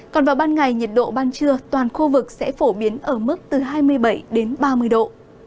còn vào ban ngày nhiệt độ ban trưa toàn khu vực sẽ phổ biến ở mức từ hai mươi bảy đến ba mươi độ